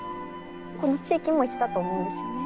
この地域も一緒だと思うんですよね。